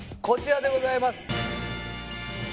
こちらでございます！